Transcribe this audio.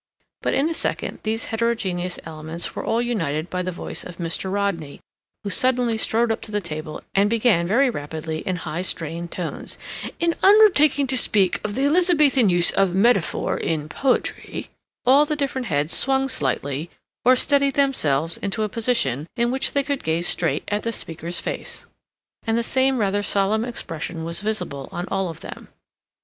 But in a second these heterogeneous elements were all united by the voice of Mr. Rodney, who suddenly strode up to the table, and began very rapidly in high strained tones: "In undertaking to speak of the Elizabethan use of metaphor in poetry—" All the different heads swung slightly or steadied themselves into a position in which they could gaze straight at the speaker's face, and the same rather solemn expression was visible on all of them.